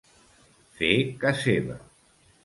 Fer ca seva.